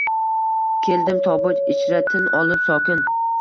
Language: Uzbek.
Keldim tobut ichra tin olib, sokin